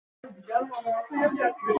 লয়েন্ডকে মেরেছে আর তোমাকে ছেড়ে দিয়েছে?